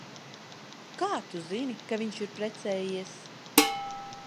Kā tu zini, ka viņš ir precējies?